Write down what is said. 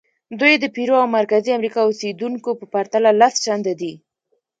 دوی د پیرو او مرکزي امریکا اوسېدونکو په پرتله لس چنده دي.